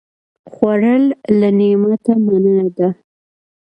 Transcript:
خوړل له نعمته مننه ده